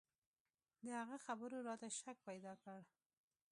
د هغه خبرو راته شک پيدا کړ.